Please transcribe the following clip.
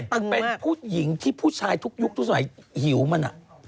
เป็นผู้หญิงที่ผู้ชายทุกยุคทุกวัน